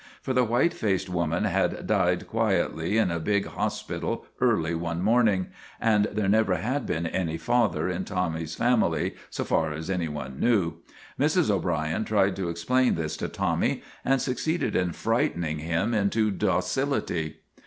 For the white faced woman had died quietly in a big hospital early one morn ing; and there never had been any father in Tommy's family so far as any one knew. Mrs. O'Brien tried to explain this to Tommy, and suc ceeded in frightening him into docility.